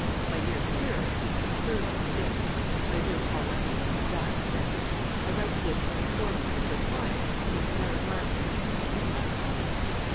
'My dear sir,' seems absurdly stiff; 'my dear Paulette,' that's better, 'I write this to inform you that your client, Miss Mary March ' What's that, Polly?"